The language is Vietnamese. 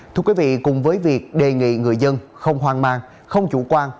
thưa quý vị cùng với việc đề nghị người dân không hoang mang không chủ quan